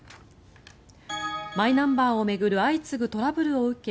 マイナンバーを巡る相次ぐトラブルを受け